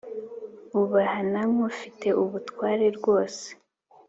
ubahana nk’ufite ubutware rwose